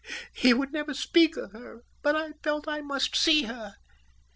He would never speak of her, but I felt I must see her.